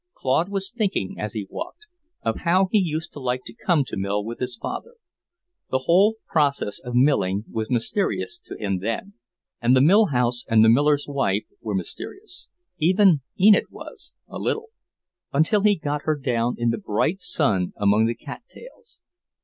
Claude was thinking, as he walked, of how he used to like to come to mill with his father. The whole process of milling was mysterious to him then; and the mill house and the miller's wife were mysterious; even Enid was, a little until he got her down in the bright sun among the cat tails.